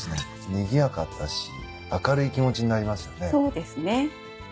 にぎやかだし明るい気持ちになりますよね。